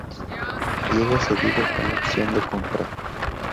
Llega cedido con opción de compra.